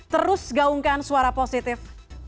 terus gaungkan suara positif